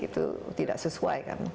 itu tidak sesuai kan